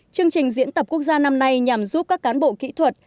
chương trình diễn tập quốc gia năm nay nhằm giúp các cán bộ kỹ thuật